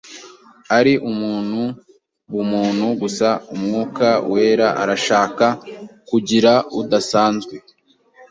ari umuntu bumuntu gusa, Umwuka wera arashaka kukugira udasanzwe.